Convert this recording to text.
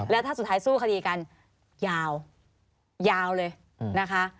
แล้วถ้าสุดท้ายสู้คดีกันยาวยาวเลยนะคะ